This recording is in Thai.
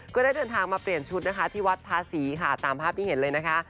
ก็ได้เดินทางมาเปลี่ยนชุดนะคะที่วัดภาษีค่ะตามภาพที่เห็นเลยนะคะ